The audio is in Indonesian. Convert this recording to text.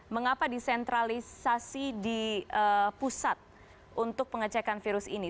mengapa disentralisasi di pusat untuk pengecekan virus ini